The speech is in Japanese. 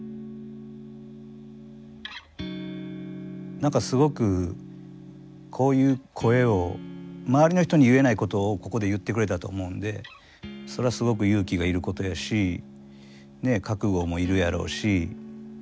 何かすごくこういう声を周りの人に言えないことをここで言ってくれたと思うんでそれはすごく勇気がいることやしねっ覚悟もいるやろうし。